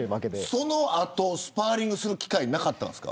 その後、スパーリングする機会なかったんですか。